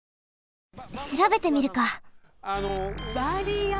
しらべてみるか。